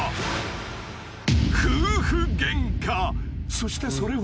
［そしてそれは］